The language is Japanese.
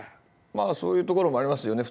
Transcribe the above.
そういうところもありますよね。